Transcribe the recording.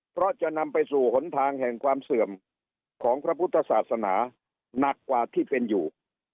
เพราะจะนำไปสู่หนทางแห่งความเสื่อมของพระพุทธศาสนาหนักกว่าที่เป็นอยู่